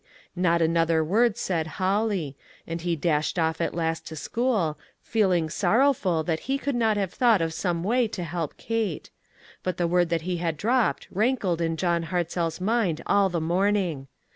Not another word said Holly; and he dashed off at last to school, feel ing sorrowful that he could not have thought of some way to help Kate ; but the word that he dropped rankled in John Hartzell's mind all the morning.